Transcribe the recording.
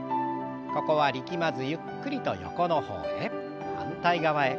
ここは力まずゆっくりと横の方へ。